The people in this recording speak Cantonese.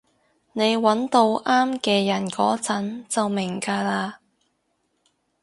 你搵到啱嘅人嗰陣就明㗎喇